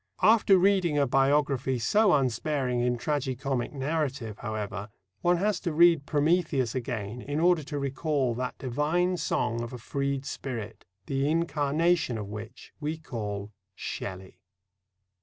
After reading a biography so unsparing in tragi comic narrative, however, one has to read Prometheus again in order to recall that divine song of a freed spirit, the incarnation of which we call Shelley.